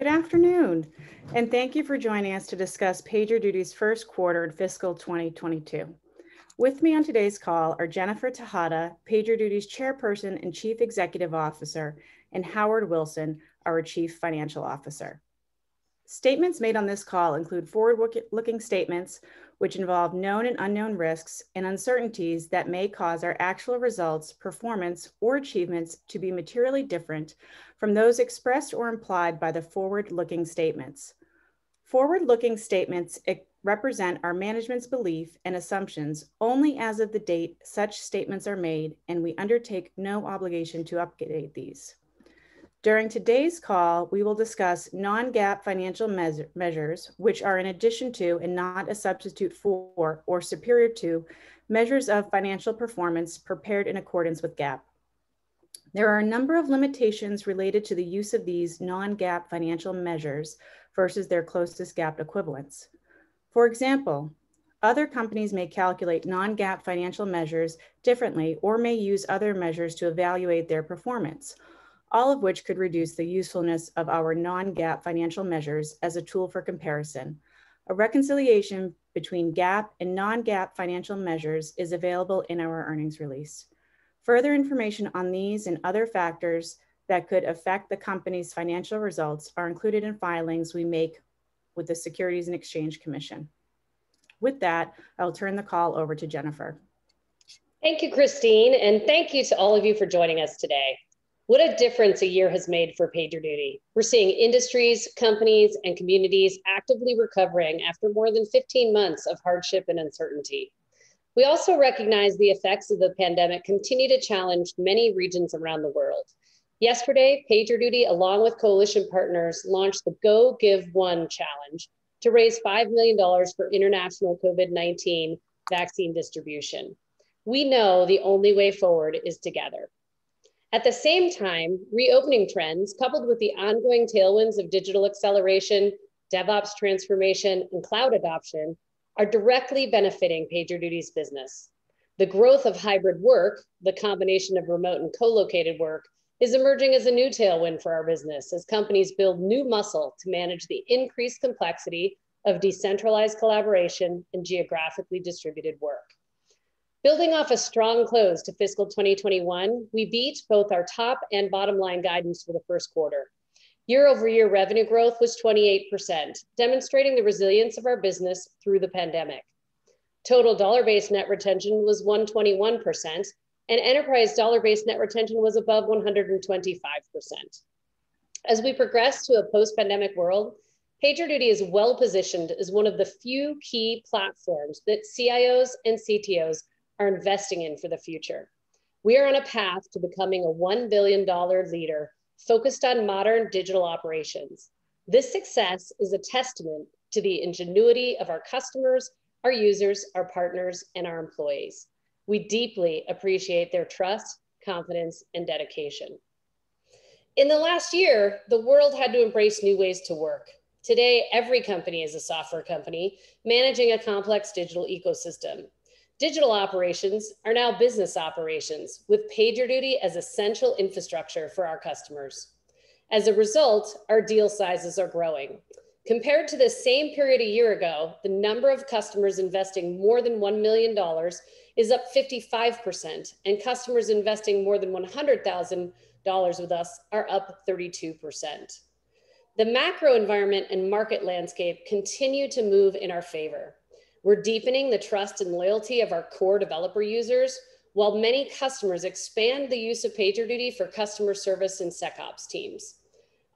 Good afternoon, and thank you for joining us to discuss PagerDuty's first quarter of fiscal 2022. With me on today's call are Jennifer Tejada, PagerDuty's Chairperson and Chief Executive Officer, and Howard Wilson, our Chief Financial Officer. Statements made on this call include forward-looking statements, which involve known and unknown risks and uncertainties that may cause our actual results, performance, or achievements to be materially different from those expressed or implied by the forward-looking statements. Forward-looking statements represent our management's belief and assumptions only as of the date such statements are made, and we undertake no obligation to update these. During today's call, we will discuss non-GAAP financial measures, which are in addition to, and not a substitute for or superior to, measures of financial performance prepared in accordance with GAAP. There are a number of limitations related to the use of these non-GAAP financial measures versus their closest GAAP equivalents. For example, other companies may calculate non-GAAP financial measures differently or may use other measures to evaluate their performance, all of which could reduce the usefulness of our non-GAAP financial measures as a tool for comparison. A reconciliation between GAAP and non-GAAP financial measures is available in our earnings release. Further information on these and other factors that could affect the company's financial results are included in filings we make with the Securities and Exchange Commission. With that, I'll turn the call over to Jennifer. Thank you, Christine, and thank you to all of you for joining us today. What a difference a year has made for PagerDuty. We're seeing industries, companies, and communities actively recovering after more than 15 months of hardship and uncertainty. We also recognize the effects of the pandemic continue to challenge many regions around the world. Yesterday, PagerDuty, along with coalition partners, launched the Go Give One Challenge to raise $5 million for international COVID-19 vaccine distribution. We know the only way forward is together. At the same time, reopening trends, coupled with the ongoing tailwinds of digital acceleration, DevOps transformation, and cloud adoption, are directly benefiting PagerDuty's business. The growth of hybrid work, the combination of remote and co-located work, is emerging as a new tailwind for our business as companies build new muscle to manage the increased complexity of decentralized collaboration and geographically distributed work. Building off a strong close to fiscal 2021, we beat both our top and bottom-line guidance for the first quarter. Year-over-year revenue growth was 28%, demonstrating the resilience of our business through the pandemic. Total Dollar-Based Net Retention was 121%, and enterprise Dollar-Based Net Retention was above 125%. As we progress to a post-pandemic world, PagerDuty is well-positioned as one of the few key platforms that Chief Information Officers and Chief Technology Officers are investing in for the future. We are on a path to becoming a $1 billion leader focused on modern digital operations. This success is a testament to the ingenuity of our customers, our users, our partners, and our employees. We deeply appreciate their trust, confidence, and dedication. In the last year, the world had to embrace new ways to work. Today, every company is a software company managing a complex digital ecosystem. Digital operations are now business operations, with PagerDuty as essential infrastructure for our customers. As a result, our deal sizes are growing. Compared to the same period a year ago, the number of customers investing more than $1 million is up 55%, and customers investing more than $100,000 with us are up 32%. The macro environment and market landscape continue to move in our favor. We're deepening the trust and loyalty of our core developer users, while many customers expand the use of PagerDuty for Customer Service and SecOps teams.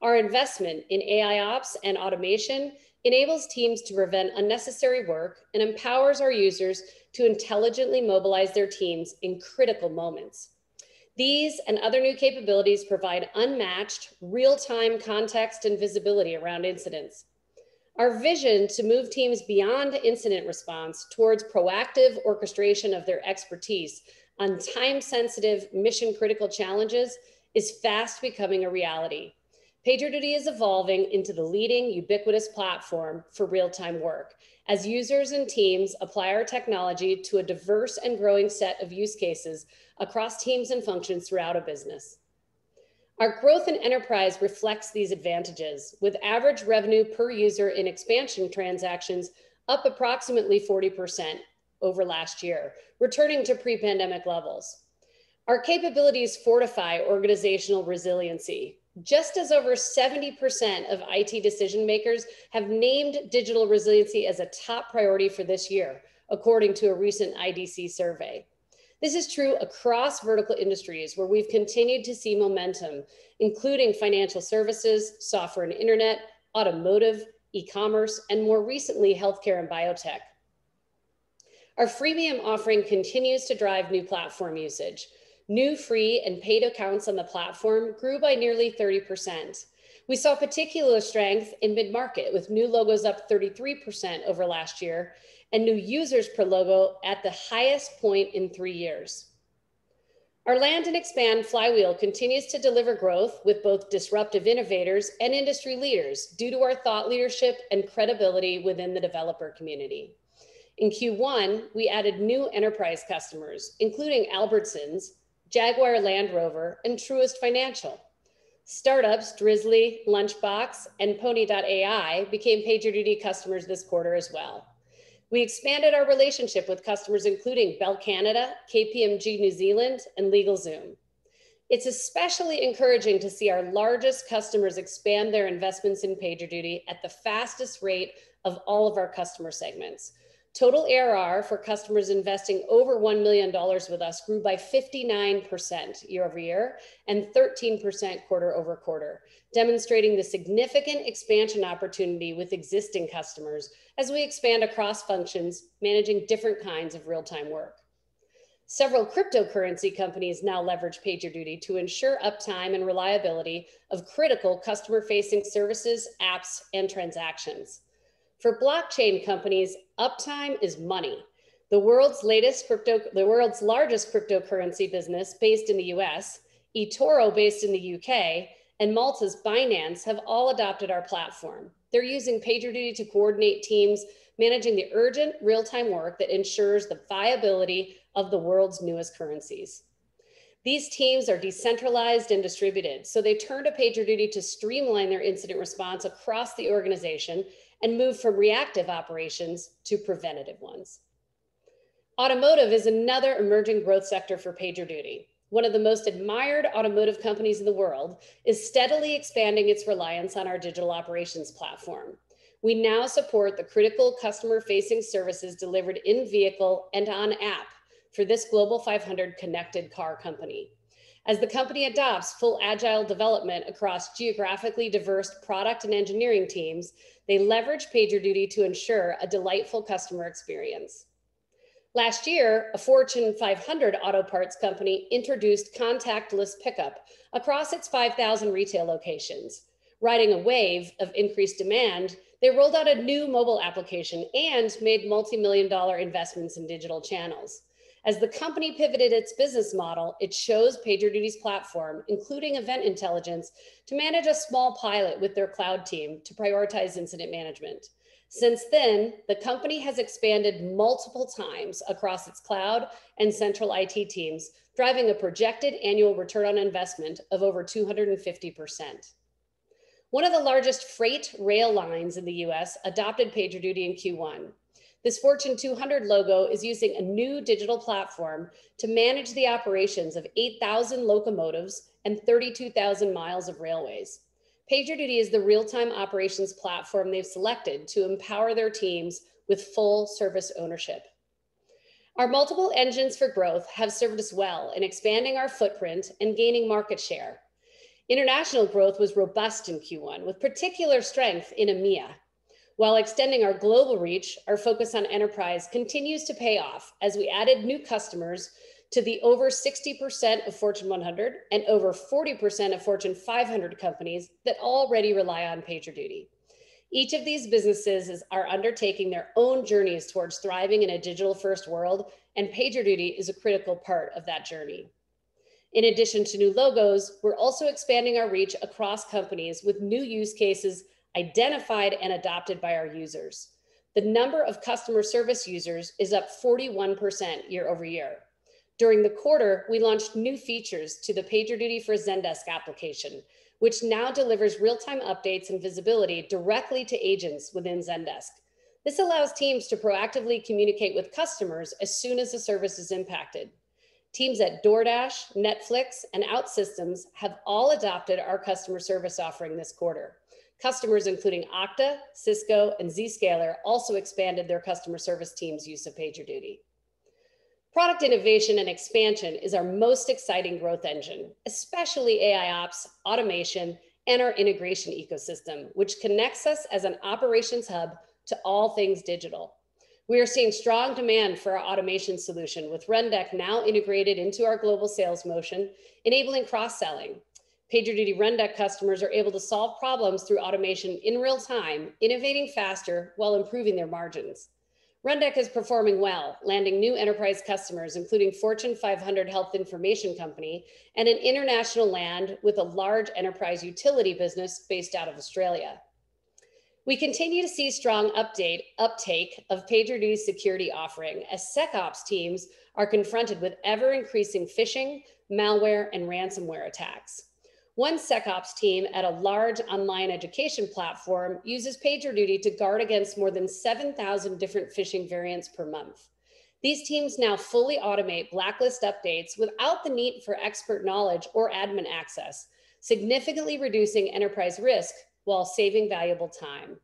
Our investment in AIOps and automation enables teams to prevent unnecessary work and empowers our users to intelligently mobilize their teams in critical moments. These and other new capabilities provide unmatched real-time context and visibility around incidents. Our vision to move teams beyond incident response towards proactive orchestration of their expertise on time-sensitive, mission-critical challenges is fast becoming a reality. PagerDuty is evolving into the leading ubiquitous platform for real-time work, as users and teams apply our technology to a diverse and growing set of use cases across teams and functions throughout a business. Our growth in enterprise reflects these advantages, with average revenue per user in expansion transactions up approximately 40% over last year, returning to pre-pandemic levels. Our capabilities fortify organizational resiliency. Just as over 70% of IT decision-makers have named digital resiliency as a top priority for this year, according to a recent IDC survey. This is true across vertical industries where we've continued to see momentum, including financial services, software and internet, automotive, E-commerce, and more recently, healthcare and biotech. Our freemium offering continues to drive new platform usage. New free and paid accounts on the platform grew by nearly 30%. We saw particular strength in mid-market, with new logos up 33% over last year and new users per logo at the highest point in three years. Our land and expand flywheel continues to deliver growth with both disruptive innovators and industry leaders due to our thought leadership and credibility within the developer community. In Q1, we added new enterprise customers, including Albertsons, Jaguar Land Rover, and Truist Financial. Startups Drizly, Lunchbox, and Pony.ai became PagerDuty customers this quarter as well. We expanded our relationship with customers including Bell Canada, KPMG New Zealand, and LegalZoom. It's especially encouraging to see our largest customers expand their investments in PagerDuty at the fastest rate of all of our customer segments. Total ARR for customers investing over $1 million with us grew by 59% year-over-year and 13% quarter-over-quarter, demonstrating the significant expansion opportunity with existing customers as we expand across functions managing different kinds of real-time work. Several cryptocurrency companies now leverage PagerDuty to ensure uptime and reliability of critical customer-facing services, apps, and transactions. For blockchain companies, uptime is money. The world's largest cryptocurrency business based in the U.S., eToro based in the U.K., and Malta's Binance have all adopted our platform. They're using PagerDuty to coordinate teams managing the urgent real-time work that ensures the viability of the world's newest currencies. These teams are decentralized and distributed, so they turn to PagerDuty to streamline their incident response across the organization and move from reactive operations to preventative ones. Automotive is another emerging growth sector for PagerDuty. One of the most admired automotive companies in the world is steadily expanding its reliance on our digital operations platform. We now support the critical customer-facing services delivered in-vehicle and on app for this Global 500 connected car company. As the company adopts full agile development across geographically diverse product and engineering teams, they leverage PagerDuty to ensure a delightful customer experience. Last year, a Fortune 500 auto parts company introduced contactless pickup across its 5,000 retail locations. Riding a wave of increased demand, they rolled out a new mobile application and made multimillion-dollar investments in digital channels. As the company pivoted its business model, it chose PagerDuty's platform, including Event Intelligence, to manage a small pilot with their cloud team to prioritize incident management. Since then, the company has expanded multiple times across its cloud and central IT teams, driving a projected annual return on investment of over 250%. One of the largest freight rail lines in the U.S. adopted PagerDuty in Q1. This Fortune 200 logo is using a new digital platform to manage the operations of 8,000 locomotives and 32,000 miles of railways. PagerDuty is the real-time operations platform they've selected to empower their teams with full service ownership. Our multiple engines for growth have served us well in expanding our footprint and gaining market share. International growth was robust in Q1, with particular strength in EMEA. While extending our global reach, our focus on enterprise continues to pay off as we added new customers to the over 60% of Fortune 100 and over 40% of Fortune 500 companies that already rely on PagerDuty. Each of these businesses are undertaking their own journeys towards thriving in a digital-first world, and PagerDuty is a critical part of that journey. In addition to new logos, we're also expanding our reach across companies with new use cases identified and adopted by our users. The number of customer service users is up 41% year-over-year. During the quarter, we launched new features to the PagerDuty for Zendesk application, which now delivers real-time updates and visibility directly to agents within Zendesk. This allows teams to proactively communicate with customers as soon as the service is impacted. Teams at DoorDash, Netflix, and OutSystems have all adopted our customer service offering this quarter. Customers including Okta, Cisco, and Zscaler also expanded their customer service teams' use of PagerDuty. Product innovation and expansion is our most exciting growth engine, especially AIOps, automation, and our integration ecosystem, which connects us as an operations hub to all things digital. We are seeing strong demand for our automation solution, with Rundeck now integrated into our global sales motion, enabling cross-selling. PagerDuty Rundeck customers are able to solve problems through automation in real time, innovating faster while improving their margins. Rundeck is performing well, landing new enterprise customers including Fortune 500 health information company and an international land with a large enterprise utility business based out of Australia. We continue to see strong uptake of PagerDuty's security offering as SecOps teams are confronted with ever-increasing phishing, malware, and ransomware attacks. One SecOps team at a large online education platform uses PagerDuty to guard against more than 7,000 different phishing variants per month. These teams now fully automate blacklist updates without the need for expert knowledge or admin access, significantly reducing enterprise risk while saving valuable time.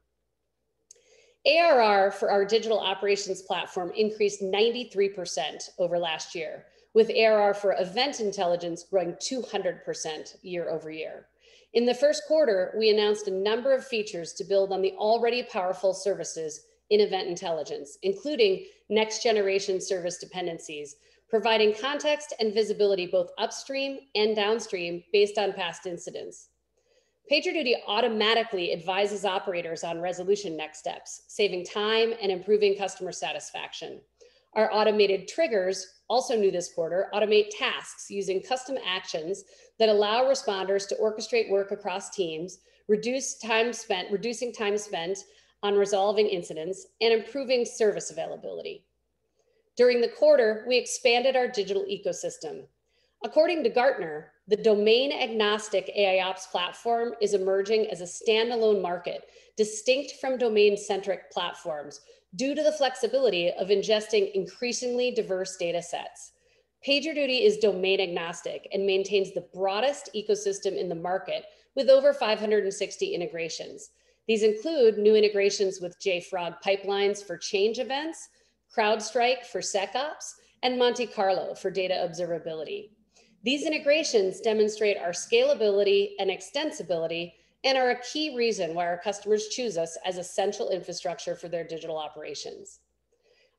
ARR for our Digital Operations platform increased 93% over last year, with ARR for Event Intelligence growing 200% year-over-year. In the first quarter, we announced a number of features to build on the already powerful services in Event Intelligence, including next-generation service dependencies, providing context and visibility both upstream and downstream based on past incidents. PagerDuty automatically advises operators on resolution next steps, saving time and improving customer satisfaction. Our automated triggers, also new this quarter, automate tasks using custom actions that allow responders to orchestrate work across teams, reducing time spent on resolving incidents and improving service availability. During the quarter, we expanded our digital ecosystem. According to Gartner, the domain-agnostic AIOps platform is emerging as a standalone market, distinct from domain-centric platforms due to the flexibility of ingesting increasingly diverse data sets. PagerDuty is domain-agnostic and maintains the broadest ecosystem in the market, with over 560 integrations. These include new integrations with JFrog Pipelines for change events, CrowdStrike for SecOps, and Monte Carlo for data observability. These integrations demonstrate our scalability and extensibility and are a key reason why our customers choose us as essential infrastructure for their digital operations.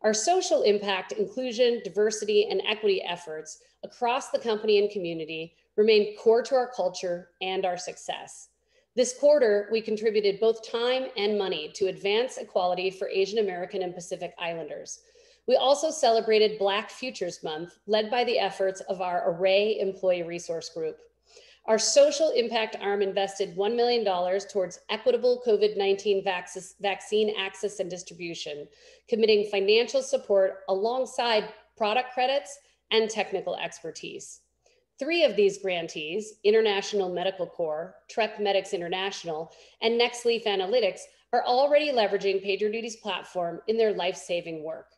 Our social impact, inclusion, diversity, and equity efforts across the company and community remain core to our culture and our success. This quarter, we contributed both time and money to advance equality for Asian American and Pacific Islanders. We also celebrated Black Futures Month, led by the efforts of our ARRAY employee resource group. Our social impact arm invested $1 million towards equitable COVID-19 vaccine access and distribution, committing financial support alongside product credits and technical expertise. Three of these grantees, International Medical Corps, Trek Medics International, and Nexleaf Analytics, are already leveraging PagerDuty's platform in their life-saving work.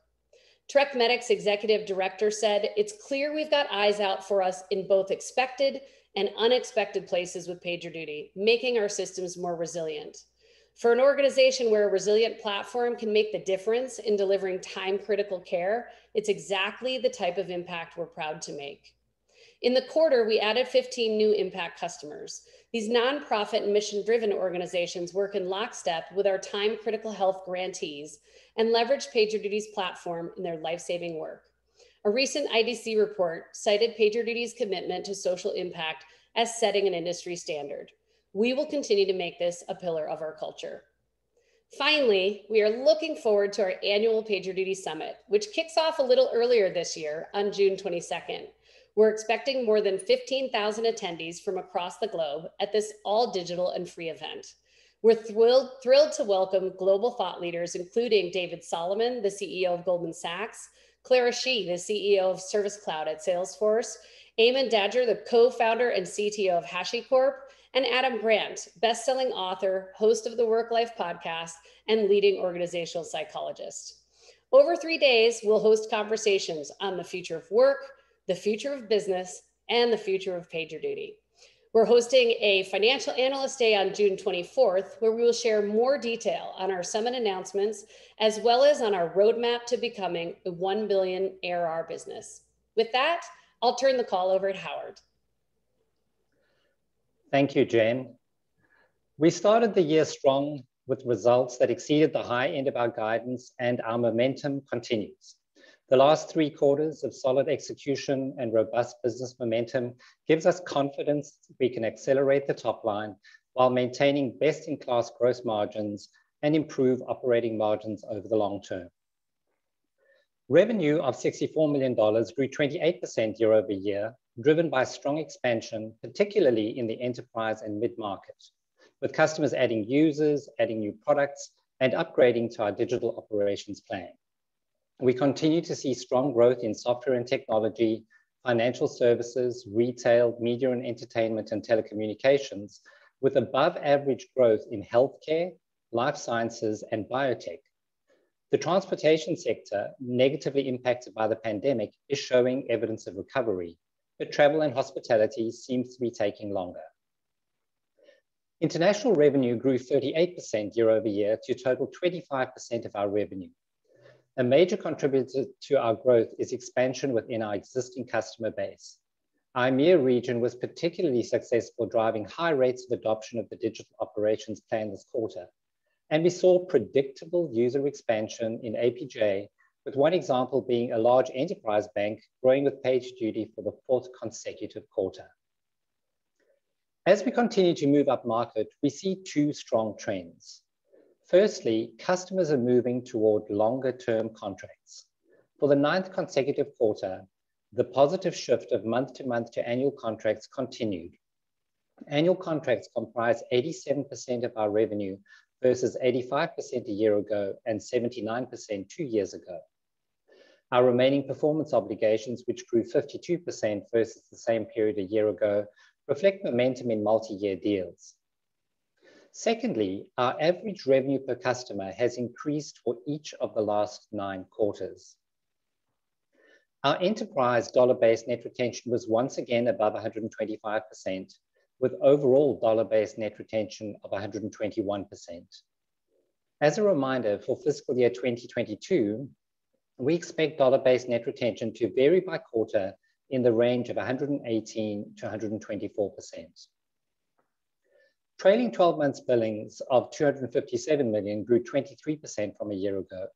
Trek Medics Executive Director said, it's clear we've got eyes out for us in both expected and unexpected places with PagerDuty, making our systems more resilient. For an organization where a resilient platform can make the difference in delivering time-critical care, it's exactly the type of impact we're proud to make. In the quarter, we added 15 new impact customers. These nonprofit, mission-driven organizations work in lockstep with our time-critical health grantees and leverage PagerDuty's platform in their life-saving work. A recent IDC report cited PagerDuty's commitment to social impact as setting an industry standard. We will continue to make this a pillar of our culture. We are looking forward to our annual PagerDuty Summit, which kicks off a little earlier this year on June 22. We're expecting more than 15,000 attendees from across the globe at this all-digital and free event. We're thrilled to welcome global thought leaders, including David Solomon, the Chief Executive Officer of Goldman Sachs, Clara Shih, the Chief Executive Officer of Service Cloud at Salesforce, Armon Dadgar, the Co-Founder and Chief Technology Officer of HashiCorp, and Adam Grant, best-selling Author, host of the WorkLife podcast, and leading organizational psychologist. Over three days, we'll host conversations on the future of work, the future of business, and the future of PagerDuty. We're hosting a financial analyst day on June 24, where we'll share more detail on our summit announcements, as well as on our roadmap to becoming a $1 billion ARR business. With that, I'll turn the call over to Howard. Thank you, Jen. We started the year strong with results that exceeded the high end of our guidance. Our momentum continues. The last three quarters of solid execution and robust business momentum gives us confidence that we can accelerate the top line while maintaining best-in-class gross margins and improve operating margins over the long term. Revenue of $64 million grew 28% year-over-year, driven by strong expansion, particularly in the enterprise and mid-market, with customers adding users, adding new products, and upgrading to our Digital Operations plan. We continue to see strong growth in software and technology, financial services, retail, media and entertainment, and telecommunications, with above-average growth in healthcare, life sciences, and biotech. The transportation sector, negatively impacted by the pandemic, is showing evidence of recovery. Travel and hospitality seems to be taking longer. International revenue grew 38% year-over-year to total 25% of our revenue. A major contributor to our growth is expansion within our existing customer base. Our EMEA region was particularly successful, driving high rates of adoption of the Digital Operations plan this quarter, and we saw predictable user expansion in APJ, with one example being a large enterprise bank growing with PagerDuty for the fourth consecutive quarter. As we continue to move up market, we see two strong trends. Firstly, customers are moving toward longer-term contracts. For the ninth consecutive quarter, the positive shift of month-to-month to annual contracts continued. Annual contracts comprise 87% of our revenue versus 85% a year ago, and 79% two years ago. Our Remaining Performance Obligations, which grew 52% versus the same period a year ago, reflect momentum in multi-year deals. Secondly, our average revenue per customer has increased for each of the last nine quarters. Our enterprise Dollar-Based Net Retention was once again above 125%, with overall Dollar-Based Net Retention of 121%. As a reminder, for fiscal year 2022, we expect Dollar-Based Net Retention to vary by quarter in the range of 118%-124%. Trailing 12 months' billings of $257 million grew 23% from a year ago.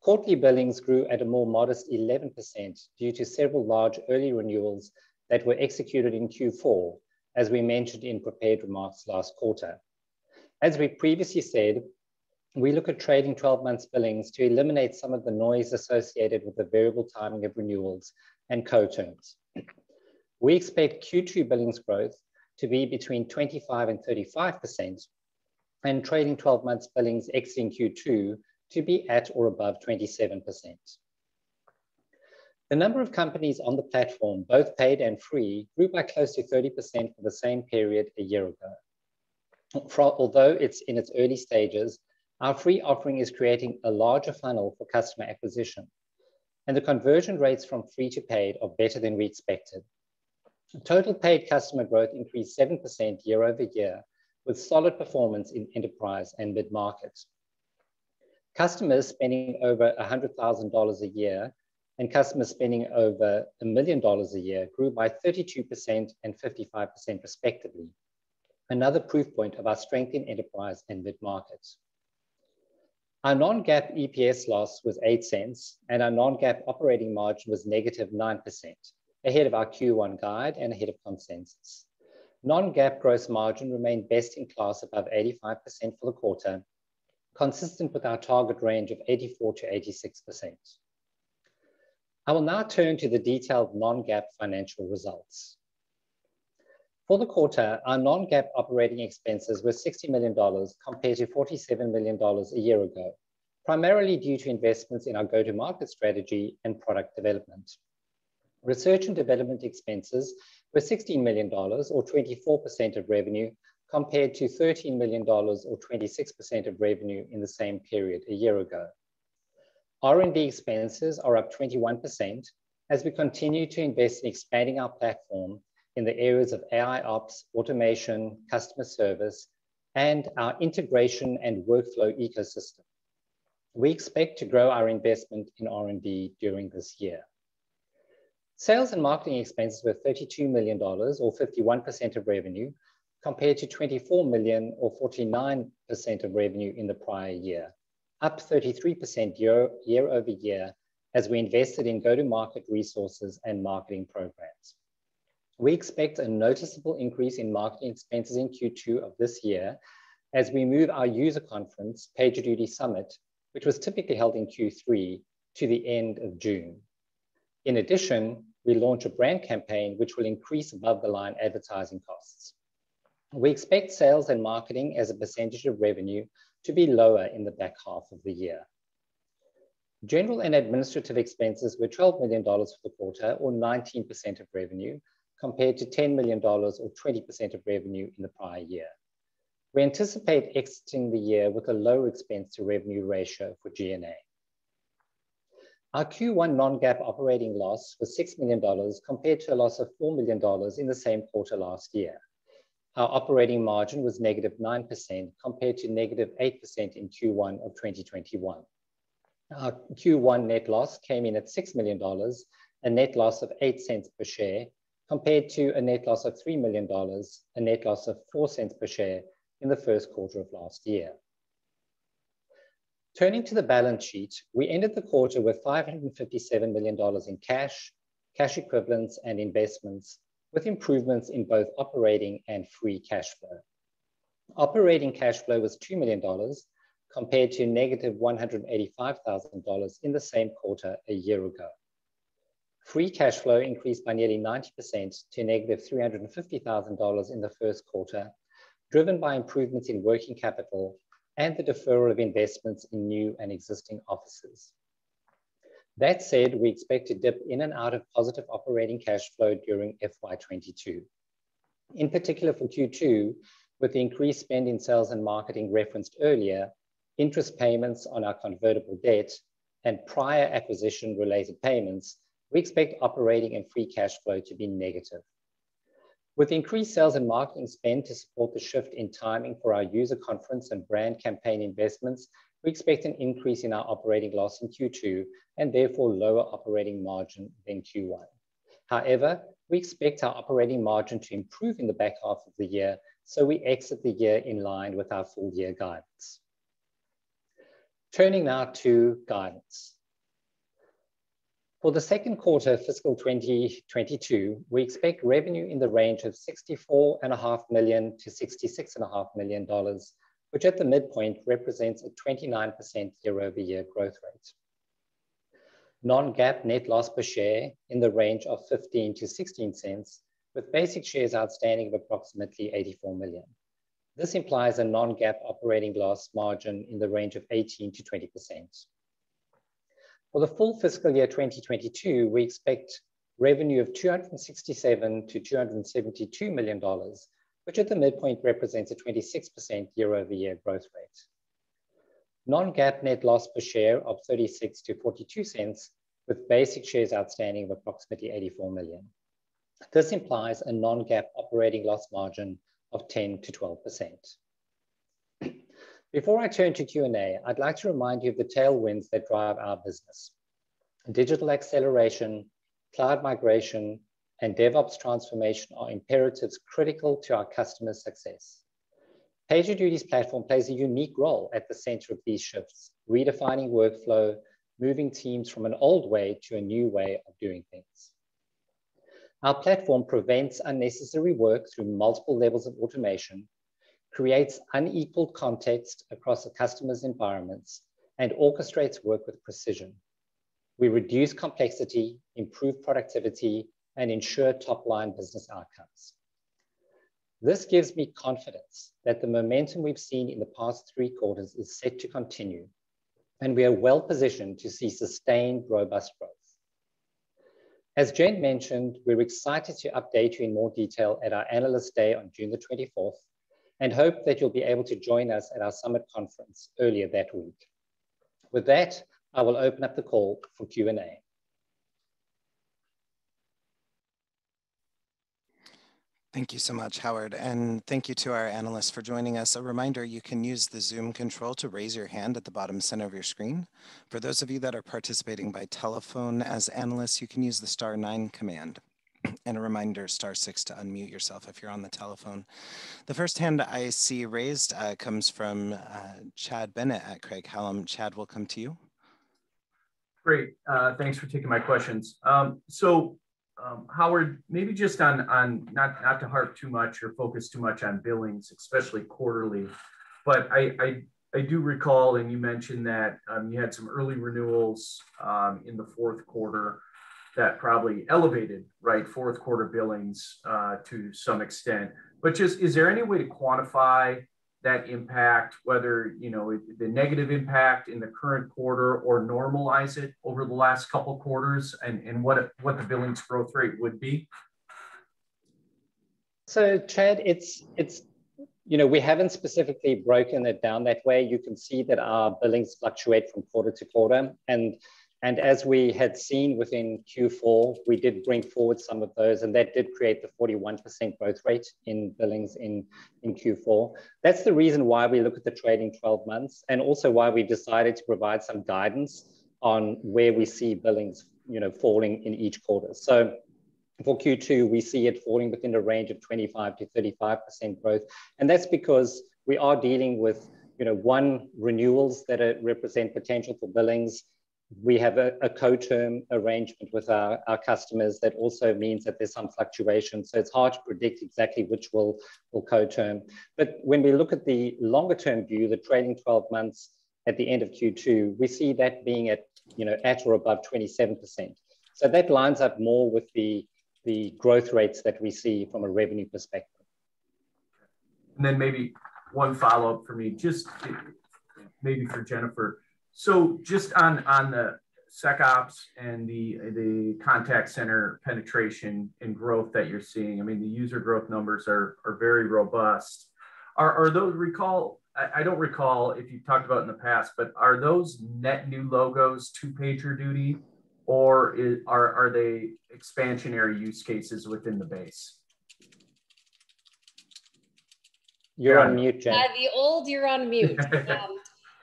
Quarterly billings grew at a more modest 11% due to several large early renewals that were executed in Q4, as we mentioned in prepared remarks last quarter. As we previously said, we look at trailing 12 months' billings to eliminate some of the noise associated with the variable timing of renewals and co-terms. We expect Q2 billings growth to be between 25% and 35%, and trailing 12 months' billings exiting Q2 to be at or above 27%. The number of companies on the platform, both paid and free, grew by close to 30% for the same period a year ago. Although it's in its early stages, our free offering is creating a larger funnel for customer acquisition, and the conversion rates from free to paid are better than we expected. Total paid customer growth increased 7% year-over-year, with solid performance in enterprise and mid-market. Customers spending over $100,000 a year and customers spending over $1 million a year grew by 32% and 55% respectively. Another proof point of our strength in enterprise and mid-market. Our non-GAAP EPS loss was $0.08, and our non-GAAP operating margin was -9%, ahead of our Q1 guide and ahead of consensus. Non-GAAP gross margin remained best in class above 85% for the quarter, consistent with our target range of 84%-86%. I will now turn to the detailed non-GAAP financial results. For the quarter, our non-GAAP operating expenses were $60 million compared to $47 million a year ago, primarily due to investments in our go-to-market strategy and product development. Research and development expenses were $16 million, or 24% of revenue, compared to $13 million, or 26% of revenue in the same period a year ago. R&D expenses are up 21% as we continue to invest in expanding our platform in the areas of AIOps, automation, customer service, and our integration and workflow ecosystem. We expect to grow our investment in R&D during this year. Sales and marketing expenses were $32 million, or 51% of revenue, compared to $24 million or 49% of revenue in the prior year, up 33% year-over-year as we invested in go-to-market resources and marketing programs. We expect a noticeable increase in marketing expenses in Q2 of this year as we move our user conference, PagerDuty Summit, which was typically held in Q3, to the end of June. In addition, we launch a brand campaign which will increase above-the-line advertising costs. We expect sales and marketing as a percentage of revenue to be lower in the back half of the year. General and administrative expenses were $12 million for the quarter, or 19% of revenue, compared to $10 million or 20% of revenue in the prior year. We anticipate exiting the year with a lower expense-to-revenue ratio for G&A. Our Q1 non-GAAP operating loss was $6 million, compared to a loss of $4 million in the same quarter last year. Our operating margin was -9%, compared to -8% in Q1 of 2021. Our Q1 net loss came in at $6 million, a net loss of $0.08 per share, compared to a net loss of $3 million, a net loss of $0.04 per share in the first quarter of last year. Turning to the balance sheet, we ended the quarter with $557 million in cash, cash equivalents, and investments, with improvements in both operating and free cash flow. Operating cash flow was $3 million, compared to $-185,000 in the same quarter a year ago. Free cash flow increased by nearly 90% to $-350,000 in the first quarter, driven by improvements in working capital and the deferral of investments in new and existing offices. That said, we expect to dip in and out of positive operating cash flow during FY 2022. In particular for Q2, with the increased spend in sales and marketing referenced earlier, interest payments on our convertible debt, and prior acquisition-related payments, we expect operating and free cash flow to be negative. With increased sales and marketing spend to support the shift in timing for our user conference and brand campaign investments, we expect an increase in our operating loss in Q2, and therefore lower operating margin than Q1. We expect our operating margin to improve in the back half of the year, so we exit the year in line with our full-year guidance. Turning now to guidance. For the second quarter fiscal 2022, we expect revenue in the range of $64.5 million to $66.5 million, which at the midpoint represents a 29% year-over-year growth rate. Non-GAAP net loss per share in the range of $0.15 to $0.16, with basic shares outstanding of approximately 84 million. This implies a non-GAAP operating loss margin in the range of 18%-20%. For the full fiscal year 2022, we expect revenue of $267 million-$272 million, which at the midpoint represents a 26% year-over-year growth rate. Non-GAAP net loss per share of $0.36-$0.42, with basic shares outstanding of approximately 84 million. This implies a non-GAAP operating loss margin of 10%-12%. Before I turn to Q&A, I'd like to remind you of the tailwinds that drive our business. Digital acceleration, cloud migration, and DevOps transformation are imperatives critical to our customers' success. PagerDuty's platform plays a unique role at the center of these shifts, redefining workflow, moving teams from an old way to a new way of doing things. Our platform prevents unnecessary work through multiple levels of automation, creates unique context across the customer's environments, and orchestrates work with precision. We reduce complexity, improve productivity, and ensure top-line business outcomes. This gives me confidence that the momentum we've seen in the past three quarters is set to continue, and we are well-positioned to see sustained, robust growth. As Jen mentioned, we're excited to update you in more detail at our Analyst Day on June the 24, and hope that you'll be able to join us at our Summit conference earlier that week. With that, I will open up the call for Q&A. Thank you so much, Howard, and thank you to our analysts for joining us. A reminder, you can use the Zoom control to raise your hand at the bottom center of your screen. For those of you that are participating by telephone, as Analysts, you can use the star nine command. A reminder, star six to unmute yourself if you're on the telephone. The first hand that I see raised comes from Chad Bennett at Craig-Hallum. Chad, we'll come to you. Great. Thanks for taking my questions. Howard, maybe just on, not to harp too much or focus too much on billings, especially quarterly, but I do recall, and you mentioned that you had some early renewals in the fourth quarter that probably elevated fourth-quarter billings to some extent. Is there any way to quantify that impact, whether the negative impact in the current quarter or normalize it over the last couple of quarters, and what the billings growth rate would be? Chad, we haven't specifically broken it down that way. You can see that our billings fluctuate from quarter-to-quarter, and as we had seen within Q4, we did bring forward some of those, and that did create the 41% growth rate in billings in Q4. That's the reason why we look at the trailing 12 months, and also why we decided to provide some guidance on where we see billings falling in each quarter. For Q2, we see it falling within a range of 25%-35% growth. That's because we are dealing with, one, renewals that represent potential for billings. We have a co-term arrangement with our customers that also means that there's some fluctuation, so it's hard to predict exactly which will co-term. When we look at the longer-term view, the trailing 12 months at the end of Q2, we see that being at or above 27%. That lines up more with the growth rates that we see from a revenue perspective. Maybe one follow-up for me, just to maybe for Jennifer. Just on the SecOps and the contact center penetration and growth that you're seeing, the user growth numbers are very robust. I don't recall if you talked about in the past, but are those net new logos to PagerDuty, or are they expansion or use cases within the base? You're on mute, Jen. Yeah, the old you're on mute.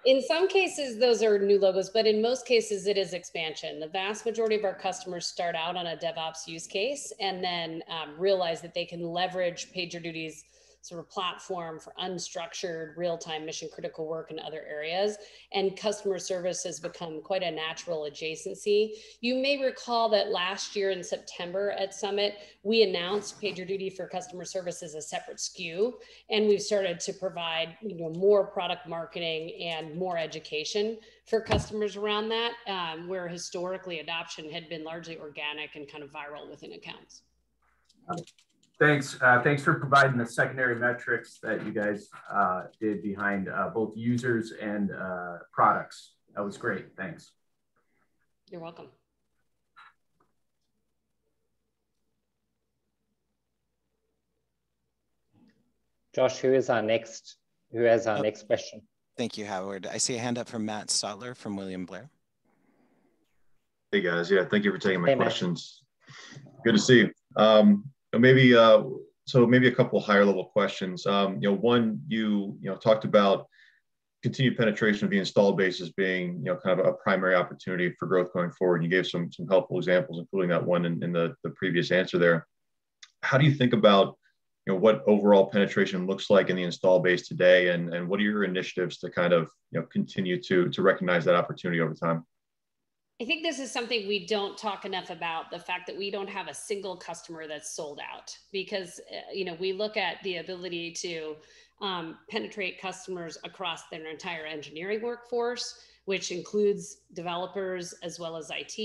In some cases, those are new logos, but in most cases, it is expansion. The vast majority of our customers start out on a DevOps use case and then realize that they can leverage PagerDuty's platform for unstructured, real-time mission-critical work in other areas, and customer service has become quite a natural adjacency. You may recall that last year in September at Summit, we announced PagerDuty for Customer Service as a separate SKU, and we started to provide more product marketing and more education for customers around that, where historically adoption had been largely organic and kind of viral within accounts. Thanks for providing the secondary metrics that you guys did behind both users and products. That was great. Thanks. You're welcome. Josh, who has our next question? Thank you, Howard. I see a hand up from Matt Stotler from William Blair. Hey, guys? Yeah, thank you for taking my questions. Hey, Matt. Good to see you. Maybe a couple higher-level questions. One, you talked about continued penetration of the install base as being kind of a primary opportunity for growth going forward, and you gave some helpful examples, including that one in the previous answer there. How do you think about what overall penetration looks like in the install base today, and what are your initiatives to kind of continue to recognize that opportunity over time? I think this is something we don't talk enough about, the fact that we don't have a single customer that's sold out. We look at the ability to penetrate customers across their entire engineering workforce, which includes developers as well as IT.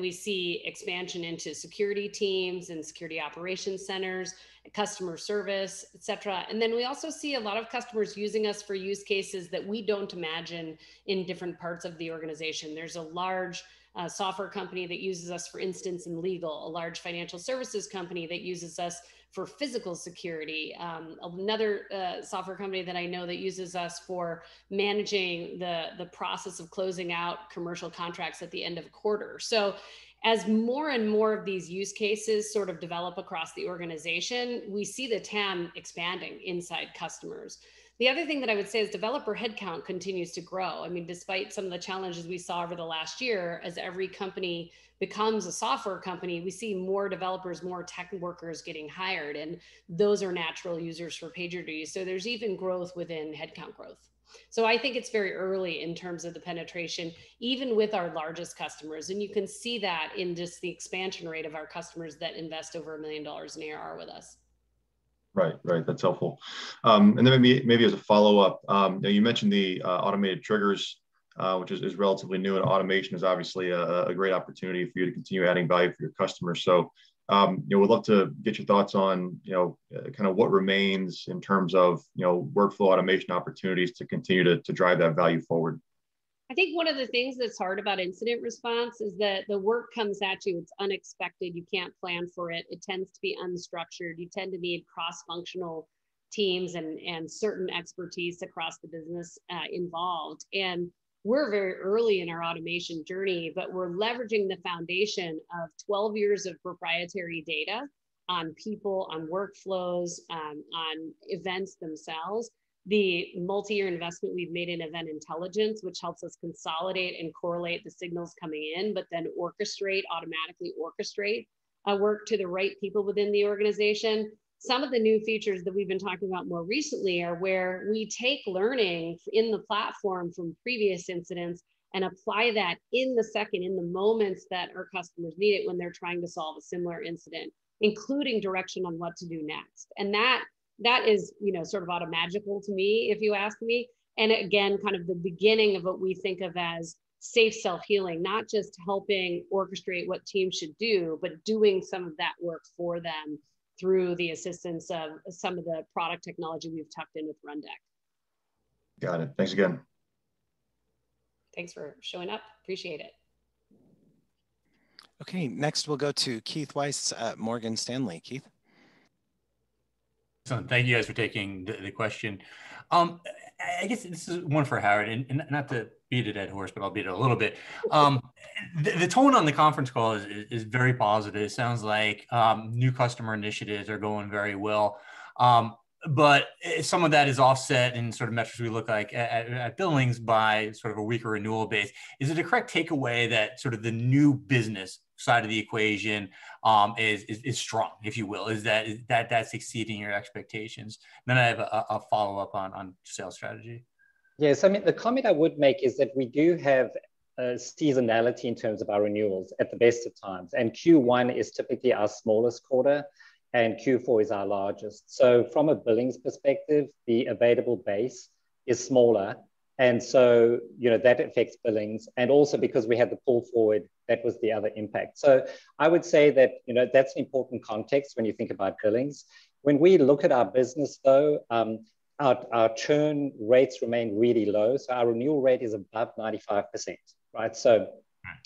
We see expansion into security teams and security operations centers, customer service, et cetera. We also see a lot of customers using us for use cases that we don't imagine in different parts of the organization. There's a large software company that uses us, for instance, in legal, a large financial services company that uses us for physical security. Another software company that I know that uses us for managing the process of closing out commercial contracts at the end of quarter. As more and more of these use cases sort of develop across the organization, we see the TAM expanding inside customers. The other thing that I would say is developer headcount continues to grow. Despite some of the challenges we saw over the last year, as every company becomes a software company, we see more developers, more tech workers getting hired, and those are natural users for PagerDuty. There's even growth within headcount growth. I think it's very early in terms of the penetration, even with our largest customers, and you can see that in just the expansion rate of our customers that invest over a million dollars in ARR with us. Right. That's helpful. Maybe as a follow-up, you mentioned the automated triggers, which is relatively new, and automation is obviously a great opportunity for you to continue adding value for your customers. We'd love to get your thoughts on what remains in terms of workflow automation opportunities to continue to drive that value forward. I think one of the things that's hard about incident response is that the work comes at you, and it's unexpected. You can't plan for it. It tends to be unstructured. You tend to need cross-functional teams and certain expertise across the business involved. We're very early in our automation journey, but we're leveraging the foundation of 12 years of proprietary data on people, on workflows, on events themselves, the multi-year investment we've made in Event Intelligence, which helps us consolidate and correlate the signals coming in, but then automatically orchestrate work to the right people within the organization. Some of the new features that we've been talking about more recently are where we take learnings in the platform from previous incidents and apply that in the second, in the moments that our customers need it when they're trying to solve a similar incident, including direction on what to do next. That is sort of automagical to me, if you ask me, and again, kind of the beginning of what we think of as safe self-healing, not just helping orchestrate what teams should do, but doing some of that work for them through the assistance of some of the product technology we've tapped in with Rundeck. Got it. Thanks again. Thanks for showing up. Appreciate it. Okay. Next, we'll go to Keith Weiss at Morgan Stanley. Keith? Thank you guys for taking the question. I guess this is one for Howard, and not to beat a dead horse, but I'll beat it a little bit. The tone on the conference call is very positive. Sounds like new customer initiatives are going very well. Some of that is offset in sort of measures we look like at billings by sort of a weaker renewal base. Is it a correct takeaway that the new business side of the equation is strong, if you will? Is that exceeding your expectations? I have a follow-up on sales strategy. Yeah. I mean, the comment I would make is that we do have seasonality in terms of our renewals at the best of times, and Q1 is typically our smallest quarter, and Q4 is our largest. From a billings perspective, the available base is smaller, and so that affects billings, and also because we have the pull forward, that was the other impact. I would say that that's important context when you think about billings. When we look at our business, though, our churn rates remain really low. Our renewal rate is above 95%, right?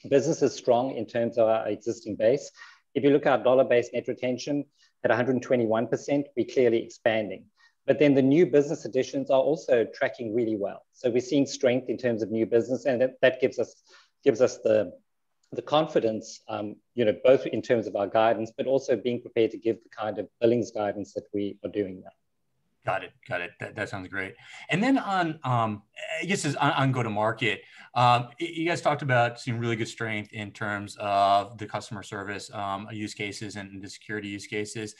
Business is strong in terms of our existing base. If you look at our Dollar-Based Net Retention at 121%, we're clearly expanding. The new business additions are also tracking really well. We're seeing strength in terms of new business, and that gives us the confidence both in terms of our guidance, but also being prepared to give the kind of billings guidance that we are doing there. Got it. That sounds great. Then on, I guess, on go-to-market, you guys talked about some really good strength in terms of the customer service use cases and the security use cases.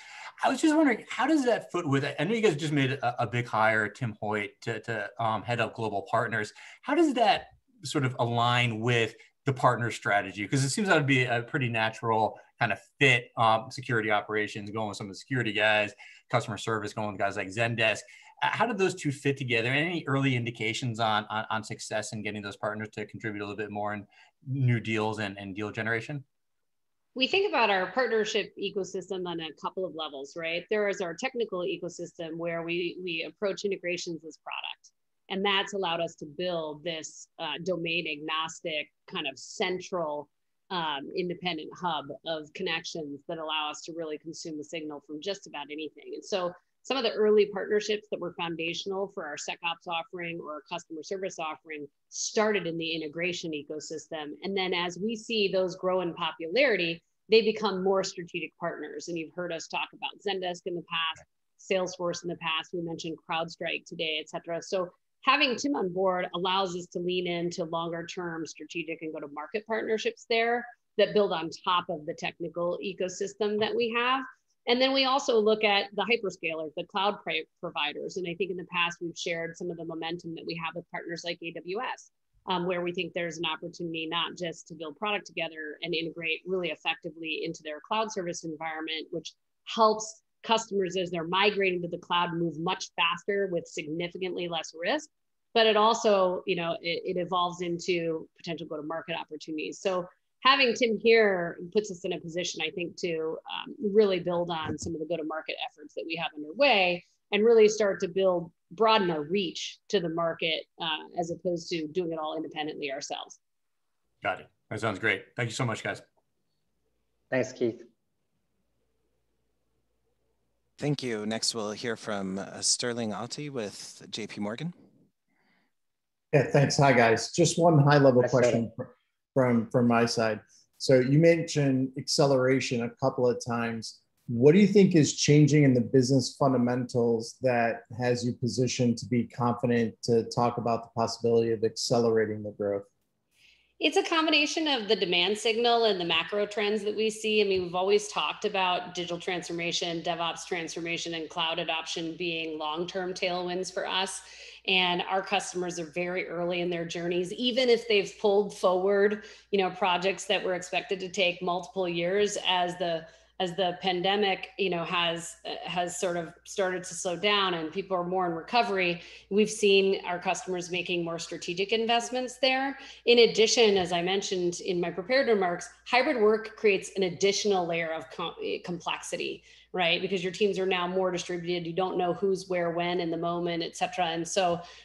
I was just wondering, I know you guys just made a big hire, Timm Hoyt, to Head of Global Partners. How does that sort of align with the partner strategy? Because it seems that'd be a pretty natural kind of fit, security operations going with some of the security guys, customer service going with guys like Zendesk. How do those two fit together? Any early indications on success in getting those partners to contribute a little bit more in new deals and deal generation? We think about our partnership ecosystem on a couple of levels, right? There is our technical ecosystem, where we approach integrations as product, that's allowed us to build this domain-agnostic kind of central independent hub of connections that allow us to really consume the signal from just about anything. Some of the early partnerships that were foundational for our SecOps offering or our customer service offering started in the integration ecosystem. As we see those grow in popularity, they become more strategic partners. You've heard us talk about Zendesk in the past, Salesforce in the past. We mentioned CrowdStrike today, et cetera. Having Timm Hoyt on board allows us to lean into longer-term strategic and go-to-market partnerships there that build on top of the technical ecosystem that we have. We also look at the hyperscalers, the cloud providers. I think in the past, we've shared some of the momentum that we have with partners like AWS, where we think there's an opportunity not just to build product together and integrate really effectively into their cloud service environment, which helps customers as they're migrating to the cloud move much faster with significantly less risk. It also evolves into potential go-to-market opportunities. Having Timm here puts us in a position, I think, to really build on some of the go-to-market efforts that we have underway and really start to broaden our reach to the market as opposed to doing it all independently ourselves. Got it. That sounds great. Thank you so much, guys. Thanks, Keith. Thank you. Next, we'll hear from Sterling Auty with JPMorgan. Yeah, thanks. Hi guys? Just one high-level question from my side. You mentioned acceleration a couple of times. What do you think is changing in the business fundamentals that has you positioned to be confident to talk about the possibility of accelerating the growth? It's a combination of the demand signal and the macro trends that we see. We've always talked about digital transformation, DevOps transformation, and cloud adoption being long-term tailwinds for us. Our customers are very early in their journeys, even if they've pulled forward projects that were expected to take multiple years as the pandemic has sort of started to slow down and people are more in recovery. We've seen our customers making more strategic investments there. In addition, as I mentioned in my prepared remarks, hybrid work creates an additional layer of complexity, right? Because your teams are now more distributed. You don't know who's where, when, in the moment, et cetera.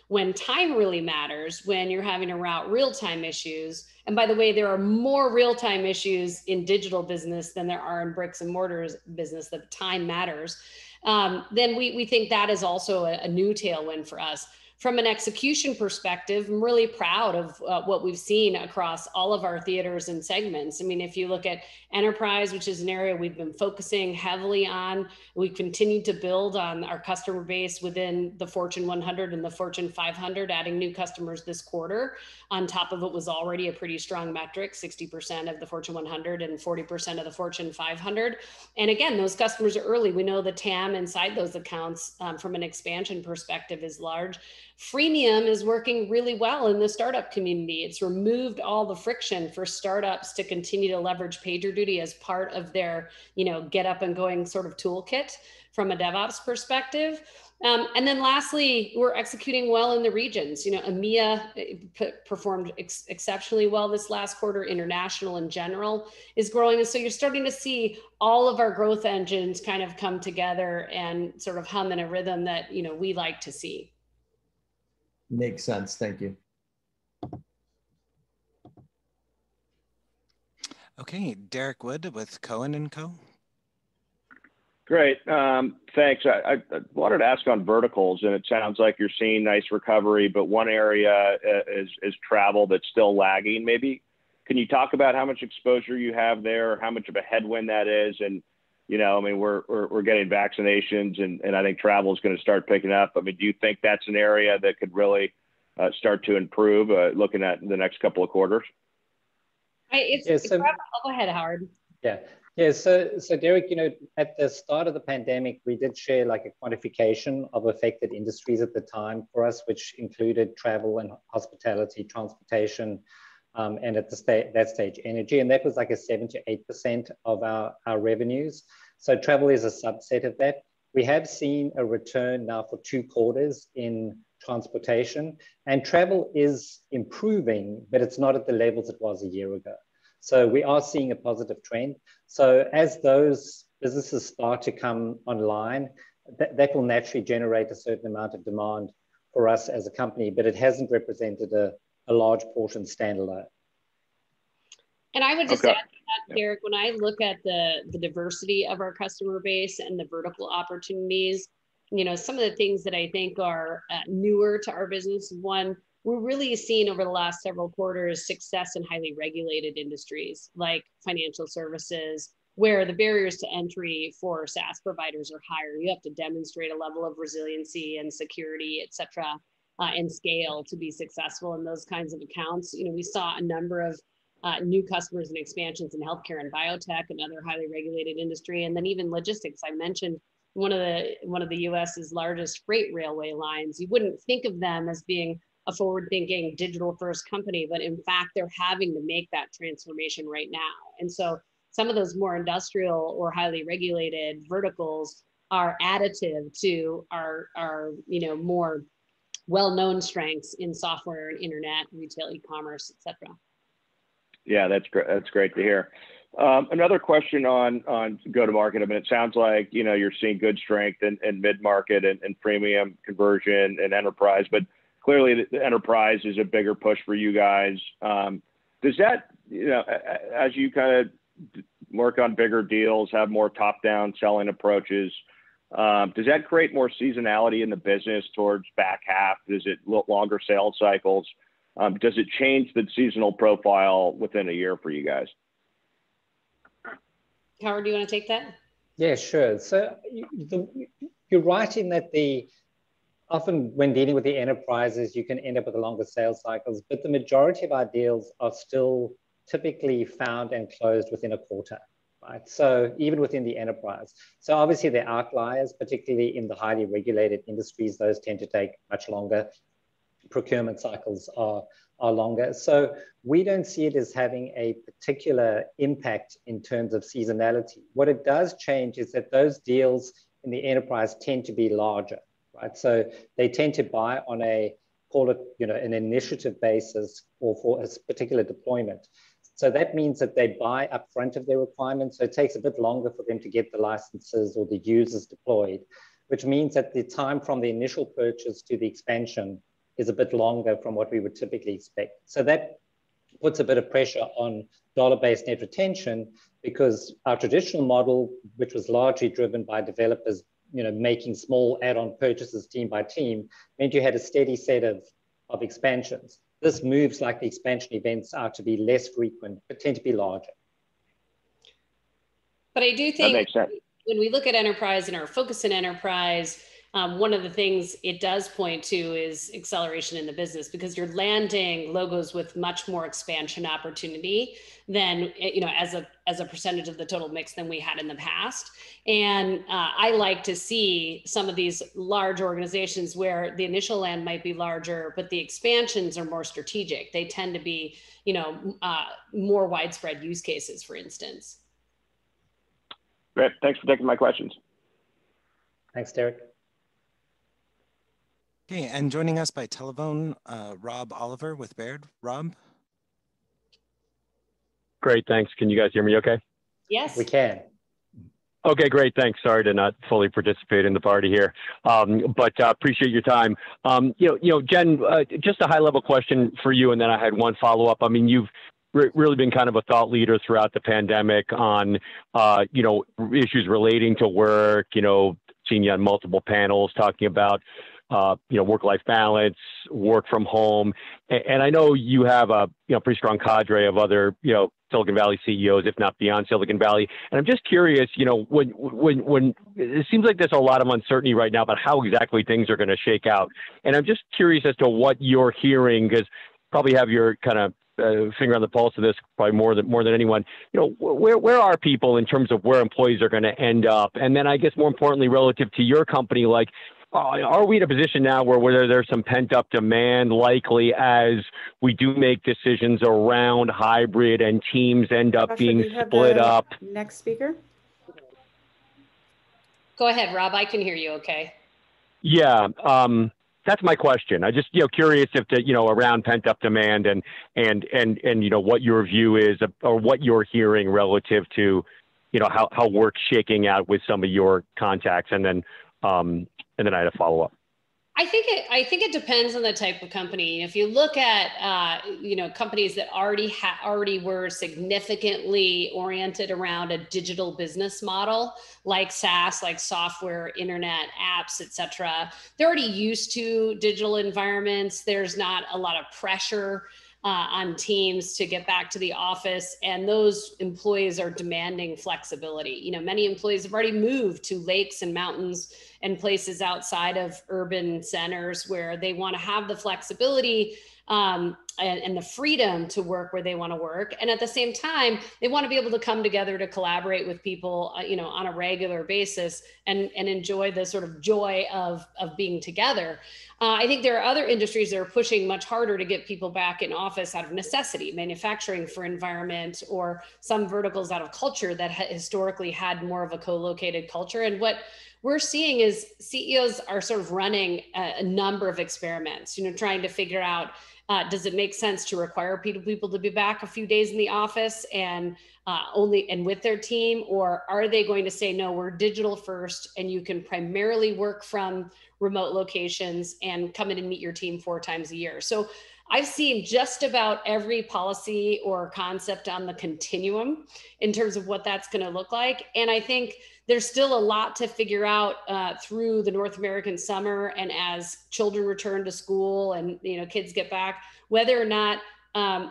When time really matters, when you're having to route real-time issues, and by the way, there are more real-time issues in digital business than there are in bricks-and-mortar business, but time matters, then we think that is also a new tailwind for us. From an execution perspective, I'm really proud of what we've seen across all of our theaters and segments. If you look at enterprise, which is an area we've been focusing heavily on, we've continued to build on our customer base within the Fortune 100 and the Fortune 500, adding new customers this quarter on top of what was already a pretty strong metric, 60% of the Fortune 100 and 40% of the Fortune 500. Again, those customers are early. We know the TAM inside those accounts from an expansion perspective is large. Freemium is working really well in the startup community. It's removed all the friction for startups to continue to leverage PagerDuty as part of their get-up-and-going sort of toolkit from a DevOps perspective. Lastly, we're executing well in the regions. EMEA performed exceptionally well this last quarter. International, in general, is growing. You're starting to see all of our growth engines kind of come together and sort of hum in a rhythm that we like to see. Makes sense. Thank you. Okay. Derrick Wood with Cowen and Co. Great. Thanks. I wanted to ask on verticals, it sounds like you're seeing nice recovery, but one area is travel that's still lagging maybe. Can you talk about how much exposure you have there, how much of a headwind that is? We're getting vaccinations, and I think travel's going to start picking up. Do you think that's an area that could really start to improve looking at in the next couple of quarters? Yeah. go ahead, Howard. Derrick, at the start of the pandemic, we did share a quantification of affected industries at the time for us, which included travel and hospitality, transportation, and at that stage, energy. That was like 7%-8% of our revenues. Travel is a subset of that. We have seen a return now for two quarters in transportation, and travel is improving, but it's not at the levels it was a year ago. We are seeing a positive trend. As those businesses start to come online, that will naturally generate a certain amount of demand for us as a company, but it hasn't represented a large portion standalone. Okay. I would just add to that, Derrick, when I look at the diversity of our customer base and the vertical opportunities, some of the things that I think are newer to our business, one, we're really seeing over the last several quarters success in highly regulated industries like financial services, where the barriers to entry for SaaS providers are higher. You have to demonstrate a level of resiliency and security, et cetera, and scale to be successful in those kinds of accounts. We saw a number of new customers and expansions in healthcare and biotech and other highly regulated industry, and then even logistics. I mentioned one of the U.S.'s largest freight railway lines. You wouldn't think of them as being a forward-thinking, digital-first company, but in fact, they're having to make that transformation right now. Some of those more industrial or highly regulated verticals are additive to our more well-known strengths in software, internet, retail, E-commerce, et cetera. That's great to hear. Another question on go-to-market a bit. Sounds like you're seeing good strength in mid-market and freemium conversion and enterprise, but clearly enterprise is a bigger push for you guys. As you kind of work on bigger deals, have more top-down selling approaches, does that create more seasonality in the business towards the back half? Is it longer sales cycles? Does it change the seasonal profile within a year for you guys? Howard, do you want to take that? Yeah, sure. You're right in that often when dealing with the enterprises, you can end up with longer sales cycles, but the majority of our deals are still typically found and closed within a quarter, even within the enterprise. Obviously the outliers, particularly in the highly regulated industries, those tend to take much longer. Procurement cycles are longer. We don't see it as having a particular impact in terms of seasonality. What it does change is that those deals in the enterprise tend to be larger, right. They tend to buy on an initiative basis or for a particular deployment. That means that they buy up front of their requirement. It takes a bit longer for them to get the licenses or the users deployed, which means that the time from the initial purchase to the expansion is a bit longer from what we would typically expect. That puts a bit of pressure on dollar-based net retention because our traditional model, which was largely driven by developers making small add-on purchases team by team, meant you had a steady set of expansions. This moves the expansion events out to be less frequent but tend to be larger. I do think when we look at enterprise and our focus in enterprise, one of the things it does point to is acceleration in the business because you're landing logos with much more expansion opportunity as a percentage of the total mix than we had in the past. I like to see some of these large organizations where the initial land might be larger, but the expansions are more strategic. They tend to be more widespread use cases, for instance. Great. Thanks for taking my questions. Thanks, Derrick Wood. Okay. Joining us by telephone, Rob Oliver with Baird. Rob? Great. Thanks. Can you guys hear me okay? Yes. We can. Okay, great. Thanks. Sorry to not fully participate in the party here, but appreciate your time. Jen, just a high-level question for you, then I had one follow-up. You've really been a thought leader throughout the pandemic on issues relating to work. Seeing you on multiple panels talking about work-life balance, work from home. I know you have a pretty strong cadre of other Silicon Valley Chief Executive Officers, if not beyond Silicon Valley. I'm just curious, it seems like there's a lot of uncertainty right now about how exactly things are going to shake out. I'm just curious as to what you're hearing because you probably have your finger on the pulse of this probably more than anyone. Where are people in terms of where employees are going to end up? I guess more importantly, relative to your company, are we in a position now where there's some pent-up demand likely as we do make decisions around hybrid and teams end up being split up? Actually, can we have the next speaker? Go ahead, Rob. I can hear you okay. Yeah. That's my question. I'm just curious around pent-up demand and what your view is or what you're hearing relative to how work's shaking out with some of your contacts, and then I had a follow-up. I think it depends on the type of company. If you look at companies that already were significantly oriented around a digital business model, like SaaS, like software, internet apps, et cetera, they're already used to digital environments. There's not a lot of pressure on teams to get back to the office, and those employees are demanding flexibility. Many employees have already moved to lakes and mountains and places outside of urban centers where they want to have the flexibility and the freedom to work where they want to work. At the same time, they want to be able to come together to collaborate with people on a regular basis and enjoy the sort of joy of being together. I think there are other industries that are pushing much harder to get people back in office out of necessity, manufacturing for environment or some verticals out of culture that historically had more of a co-located culture. What we're seeing is Chief Executive Officers are sort of running a number of experiments, trying to figure out, does it make sense to require people to be back a few days in the office and with their team, or are they going to say, no, we're digital first, and you can primarily work from remote locations and come in and meet your team four times a year. I've seen just about every policy or concept on the continuum in terms of what that's going to look like. I think there's still a lot to figure out through the North American summer and as children return to school and kids get back, whether or not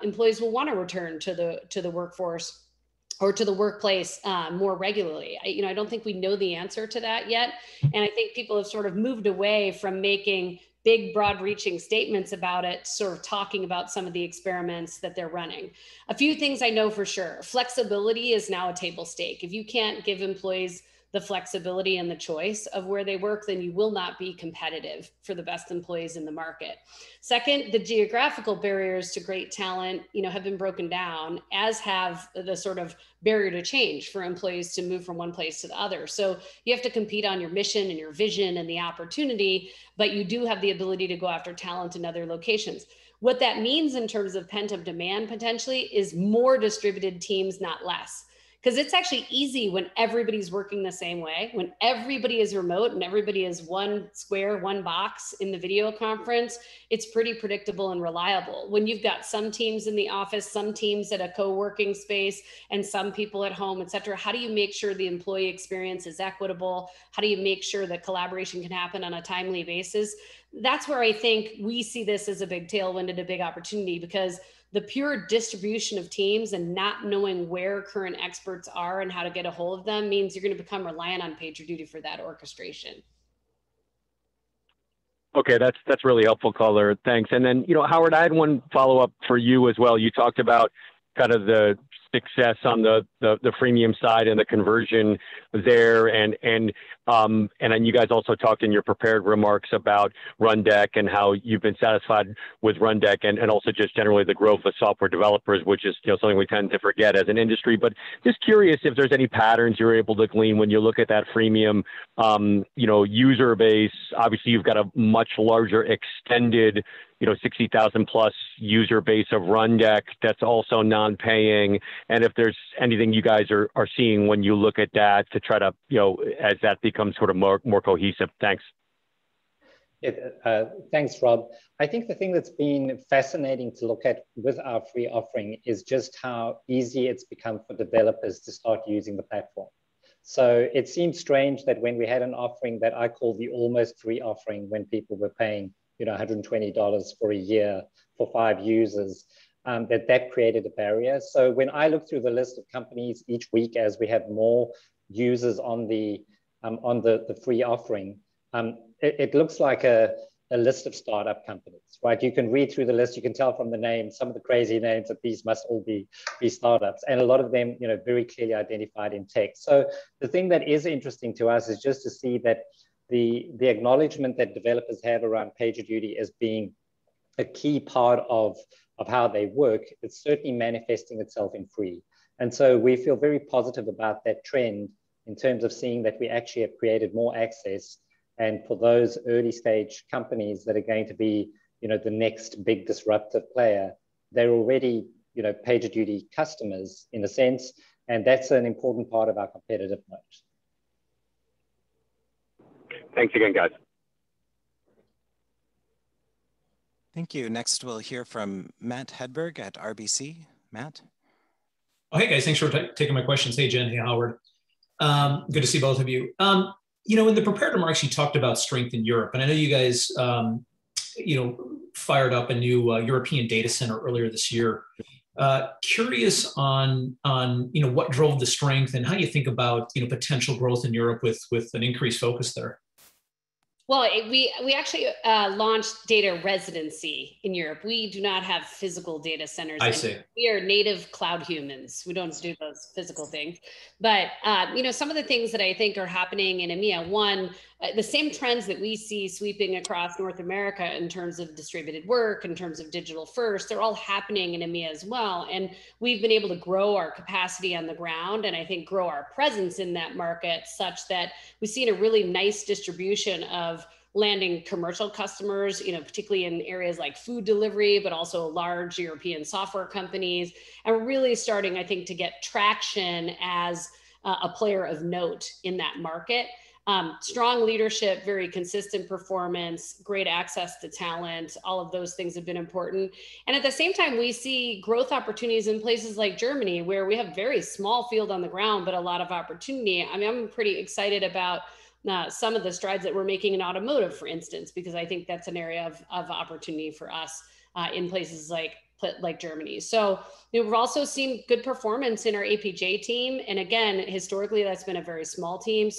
employees will want to return to the workforce or to the workplace more regularly. I don't think we know the answer to that yet, and I think people have sort of moved away from making big, broad-reaching statements about it, sort of talking about some of the experiments that they're running. A few things I know for sure. Flexibility is now a table stake. If you can't give employees the flexibility and the choice of where they work, then you will not be competitive for the best employees in the market. Second, the geographical barriers to great talent have been broken down, as have the sort of barrier to change for employees to move from one place to the other. You have to compete on your mission and your vision and the opportunity, but you do have the ability to go after talent in other locations. What that means in terms of pent-up demand potentially is more distributed teams, not less. It's actually easy when everybody's working the same way. When everybody is remote and everybody is one square, one box in the video conference, it's pretty predictable and reliable. When you've got some teams in the office, some teams at a co-working space, and some people at home, et cetera, how do you make sure the employee experience is equitable? How do you make sure that collaboration can happen on a timely basis? That's where I think we see this as a big tailwind and a big opportunity because the pure distribution of teams and not knowing where current experts are and how to get ahold of them means you're going to become reliant on PagerDuty for that orchestration. Okay. That's really helpful color. Thanks. Howard, I had one follow-up for you as well. You talked about kind of the success on the freemium side and the conversion there, and then you guys also talked in your prepared remarks about Rundeck and how you've been satisfied with Rundeck and also just generally the growth of software developers, which is something we tend to forget as an industry. Just curious if there's any patterns you're able to glean when you look at that freemium user base. Obviously, you've got a much larger extended 60,000+ user base of Rundeck that's also non-paying, and if there's anything you guys are seeing when you look at that to try to as that becomes more cohesive. Thanks. Yeah. Thanks, Rob. I think the thing that's been fascinating to look at with our free offering is just how easy it's become for developers to start using the platform. It seems strange that when we had an offering that I call the almost free offering, when people were paying $120 for a year for five users, that that created a barrier. When I look through the list of companies each week as we have more users on the free offering, it looks like a list of startup companies, right? You can read through the list, you can tell from the name some of the crazy names that these must all be startups, and a lot of them very clearly identified in tech. The thing that is interesting to us is just to see that the acknowledgement that developers have around PagerDuty as being a key part of how they work, it's certainly manifesting itself in free. We feel very positive about that trend in terms of seeing that we actually have created more access. For those early-stage companies that are going to be the next big disruptive player, they're already PagerDuty customers in a sense, and that's an important part of our competitive moat. Thank you again. Thank you. Next, we'll hear from Matt Hedberg at RBC. Matt? Okay, guys, thanks for taking my question. Hey, Jen and Howard? Good to see both of you. In the prepared remarks, you talked about strength in Europe. I know you guys fired up a new European data center earlier this year. Curious on what drove the strength and how you think about potential growth in Europe with an increased focus there? Well, we actually launched data residency in Europe. We do not have physical data centers there. I see. We are native cloud humans. We don't do those physical things. Some of the things that I think are happening in EMEA, one, the same trends that we see sweeping across North America in terms of distributed work, in terms of digital first, they're all happening in EMEA as well. We've been able to grow our capacity on the ground and I think grow our presence in that market such that we see a really nice distribution of landing commercial customers, particularly in areas like food delivery, but also large European software companies, and really starting, I think, to get traction as a player of note in that market. Strong leadership, very consistent performance, great access to talent, all of those things have been important. At the same time, we see growth opportunities in places like Germany, where we have very small field on the ground, but a lot of opportunity. I'm pretty excited about some of the strides that we're making in automotive, for instance, because I think that's an area of opportunity for us in places like Germany. We've also seen good performance in our APJ team, and again, historically, that's been a very small team.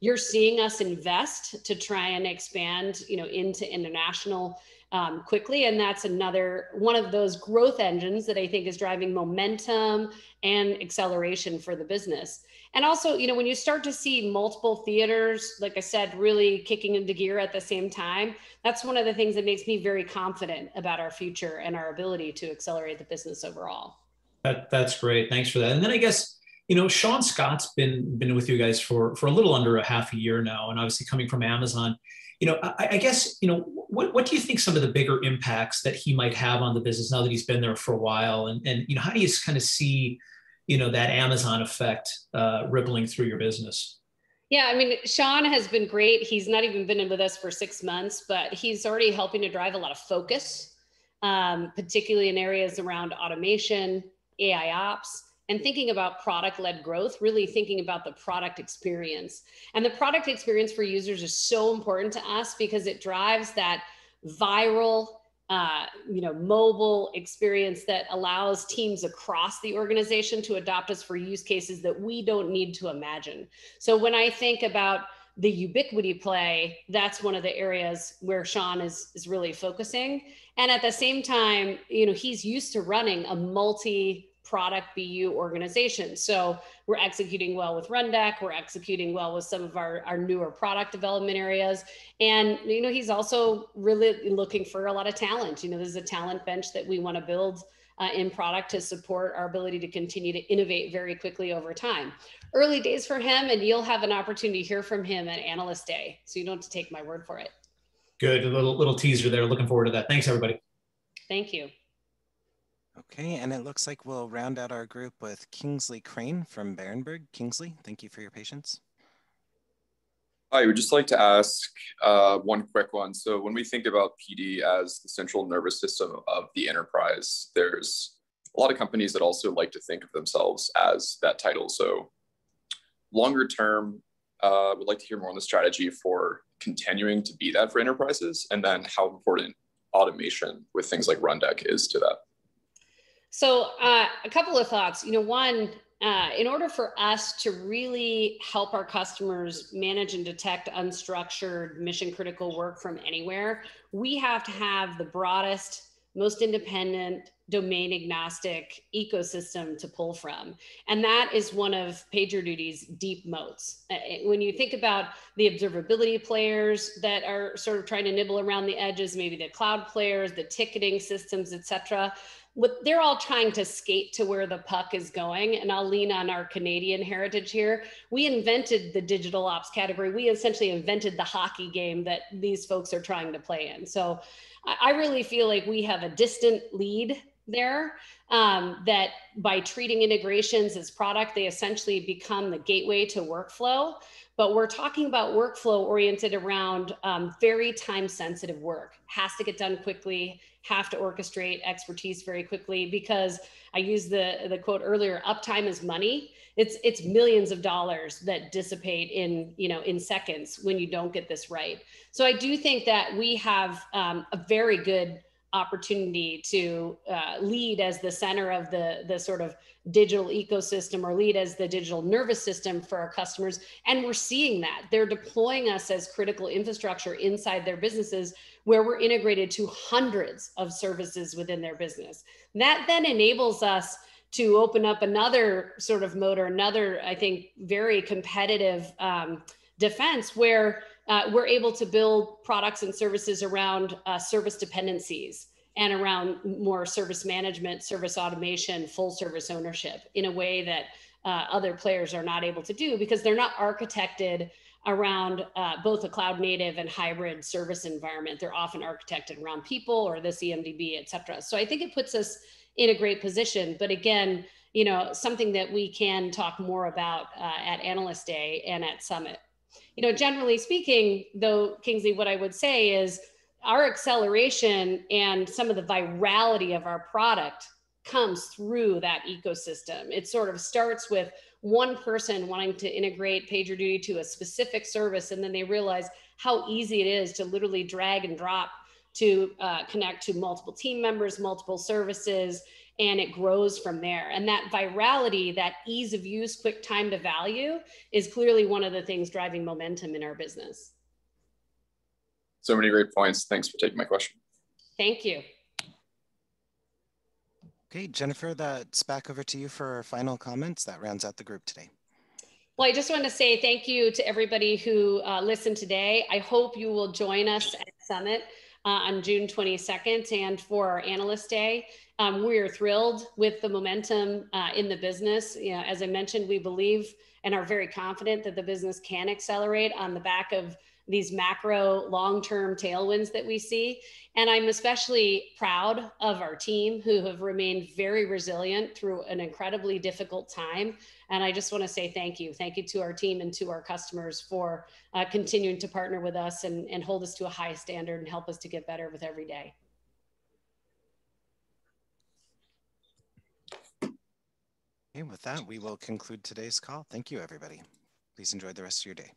You're seeing us invest to try and expand into international quickly, and that's another one of those growth engines that I think is driving momentum and acceleration for the business. When you start to see multiple theaters, like I said, really kicking into gear at the same time, that's one of the things that makes me very confident about our future and our ability to accelerate the business overall. That's great. Thanks for that. I guess, Sean Scott's been with you guys for a little under a half a year now, and obviously coming from Amazon. I guess, what do you think some of the bigger impacts that he might have on the business now that he's been there for a while, and how do you just kind of see that Amazon effect rippling through your business? Yeah, Sean has been great. He's not even been with us for six months, but he's already helping to drive a lot of focus, particularly in areas around automation, AIOps, and thinking about product-led growth, really thinking about the product experience. The product experience for users is so important to us because it drives that viral mobile experience that allows teams across the organization to adopt us for use cases that we don't need to imagine. When I think about the ubiquity play, that's one of the areas where Sean is really focusing. At the same time, he's used to running a multi-product BU organization. We're executing well with Rundeck, we're executing well with some of our newer product development areas. He's also really looking for a lot of talent. There's a talent bench that we want to build in product to support our ability to continue to innovate very quickly over time. Early days for him, and you'll have an opportunity to hear from him at Analyst Day, so you don't have to take my word for it. Good. A little teaser there. Looking forward to that. Thanks, everybody. Thank you. Okay, it looks like we'll round out our group with Kingsley Crane from Berenberg. Kingsley, thank you for your patience. I would just like to ask one quick one. When we think about PD as the central nervous system of the enterprise, there's a lot of companies that also like to think of themselves as that title. Longer term, would like to hear more on the strategy for continuing to be that for enterprises, and then how important automation with things like Rundeck is to that. A couple of thoughts. One, in order for us to really help our customers manage and detect unstructured mission-critical work from anywhere, we have to have the broadest, most independent, domain-agnostic ecosystem to pull from. That is one of PagerDuty's deep moats. When you think about the observability players that are sort of trying to nibble around the edges, maybe the cloud players, the ticketing systems, et cetera, they're all trying to skate to where the puck is going. I'll lean on our Canadian heritage here. We invented the Digital Operations category. We essentially invented the hockey game that these folks are trying to play in. I really feel like we have a distant lead there, that by treating integrations as product, they essentially become the gateway to workflow. We're talking about workflow oriented around very time-sensitive work. Has to get done quickly, have to orchestrate expertise very quickly because I used the quote earlier, Uptime is money. It's millions of dollars that dissipate in seconds when you don't get this right. I do think that we have a very good opportunity to lead as the center of the sort of digital ecosystem or lead as the digital nervous system for our customers, and we're seeing that. They're deploying us as critical infrastructure inside their businesses where we're integrated to hundreds of services within their business. Enables us. To open up another sort of mode or another, I think, very competitive defense where we're able to build products and services around service dependencies and around more service management, service automation, full service ownership in a way that other players are not able to do because they're not architected around both a cloud-native and hybrid service environment. They're often architected around people or the CMDB, et cetera. I think it puts us in a great position. Again, something that we can talk more about at Analyst Day and at Summit. Generally speaking, though, Kingsley, what I would say is our acceleration and some of the virality of our product comes through that ecosystem. It sort of starts with one person wanting to integrate PagerDuty to a specific service, then they realize how easy it is to literally drag and drop to connect to multiple team members, multiple services, and it grows from there. That virality, that ease of use, quick time to value is clearly one of the things driving momentum in our business. Many great points. Thanks for taking my question. Thank you. Great. Jennifer, that's back over to you for final comments. That rounds out the group today. Well, I just want to say thank you to everybody who listened today. I hope you will join us at Summit on June 22 and for our Analyst Day. We are thrilled with the momentum in the business. As I mentioned, we believe and are very confident that the business can accelerate on the back of these macro long-term tailwinds that we see. I'm especially proud of our team who have remained very resilient through an incredibly difficult time, and I just want to say thank you. Thank you to our team and to our customers for continuing to partner with us and hold us to a high standard and help us to get better with every day. With that, we will conclude today's call. Thank you, everybody. Please enjoy the rest of your day.